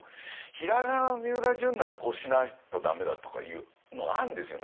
平仮名のみうらじゅんならこうしないと駄目だとかいうのがあるんですよ